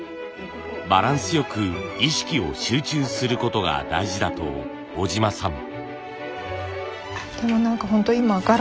バランスよく意識を集中することが大事だと小島さん。